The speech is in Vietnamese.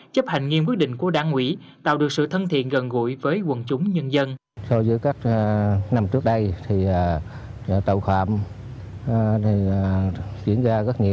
chấp hành nghiêm quyết định của đảng ủy tạo được sự thân thiện gần gũi với quần chúng nhân dân